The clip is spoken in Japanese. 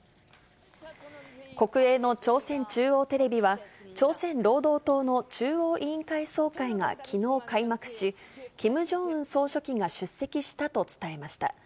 国営の朝鮮中央テレビは、朝鮮労働党の中央委員会総会がきのう開幕し、キム・ジョンウン総書記が出席したと伝えました。